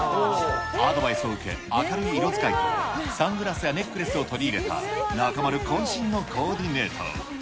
アドバイスを受け、明るい色使いに、サングラスやネックレスを取り入れた中丸こん身のコーディネート。